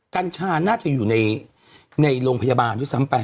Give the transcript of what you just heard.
กัญชาน่าจะอยู่ในโรงพยาบาลด้วยซ้ำไป